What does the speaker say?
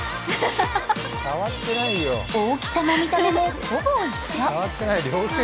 大きさも見た目も、ほぼ一緒。